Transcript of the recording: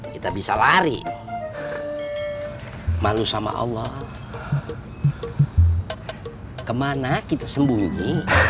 kita bisa lari malu sama allah kemana kita sembunyi